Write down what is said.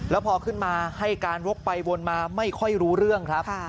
แล้วพอขึ้นมาให้การวกไปวนมาไม่ค่อยรู้เรื่องครับ